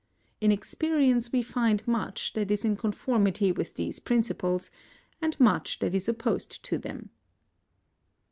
In experience we find much that is in conformity with these principles, and much that is opposed to them.